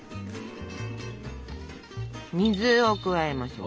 水を加えましょう。